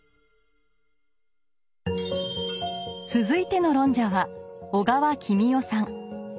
続いての論者は小川公代さん。